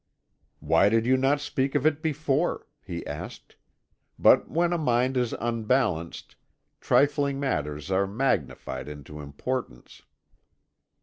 "Why did you not speak of it before?" he said. "But when a mind is unbalanced, trifling matters are magnified into importance."